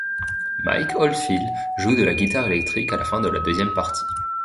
Mike Oldfield joue de la guitare électrique à la fin de la deuxième partie.